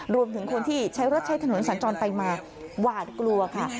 รวมถึงคนที่ใช้รถใช้ถนนสัญจรไปมาหวาดกลัวค่ะ